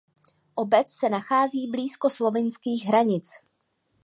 Obec se nachází blízko slovenských hranic.